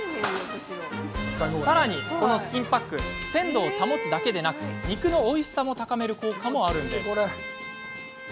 さらに、このスキンパック鮮度を保つだけでなく肉のおいしさも高める効果もあるんです。